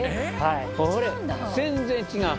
これ全然違う！